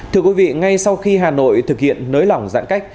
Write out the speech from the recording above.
thưa quý vị ngay sau khi hà nội thực hiện nới lỏng giãn cách